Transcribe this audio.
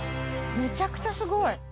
めちゃくちゃすごい。